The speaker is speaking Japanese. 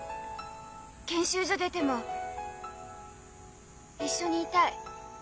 研修所出ても一緒にいたい。